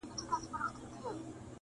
چي دي هر گړی زړه وسي په هوا سې؛